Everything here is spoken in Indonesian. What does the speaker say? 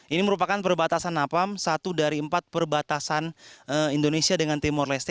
ini merupakan perbatasan napam satu dari empat perbatasan indonesia dengan timur leste